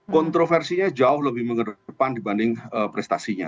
kontroversinya jauh lebih mengedepan dibanding prestasinya